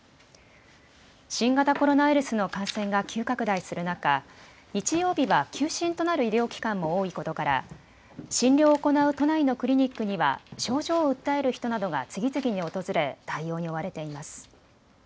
新型コロナウイルスの感染が急拡大する中、日曜日は休診となる医療機関も多いことから診療を行う都内のクリニックには症状を訴える人などが次々に訪れ対応に追われています。